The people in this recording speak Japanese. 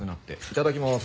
いただきます。